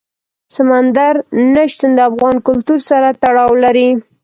سمندر نه شتون د افغان کلتور سره تړاو لري.